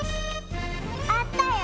あったよ。